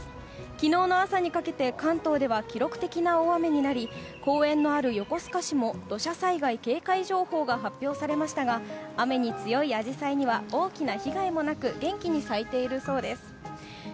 昨日の朝にかけて関東では記録的な大雨になり公園のある横須賀市も土砂災害警戒情報が発表されましたが雨に強いアジサイには大きな被害もなく元気に咲いているそうです。